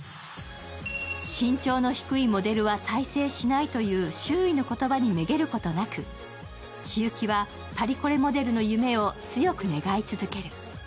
身長の低いモデルは大成しないという周囲の言葉にめげることなく千雪はパリコレモデルの夢を強く願い続ける。